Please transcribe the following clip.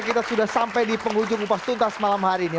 kita sudah sampai di penghujung upas tuntas malam hari ini